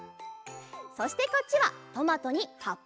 そしてこっちは「トマト」に「はっぱっぱのハーッ！」